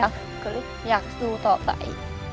ก็อยากสู้ต่อไป